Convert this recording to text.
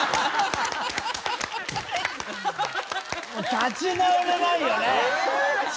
もう立ち直れないよね。